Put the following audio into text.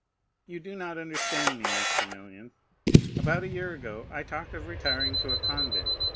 "You do not understand me, Maximilian. About a year ago, I talked of retiring to a convent.